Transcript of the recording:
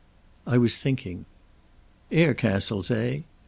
"I was thinking." "Air castles, eh?